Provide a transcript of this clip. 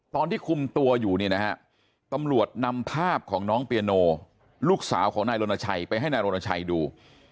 ตอนที่คุมตัวอยู่เนี่ยนะฮะตำรวจนำภาพของน้องเปียโนลูกสาวของนายรณชัยไปให้นายรณชัยดู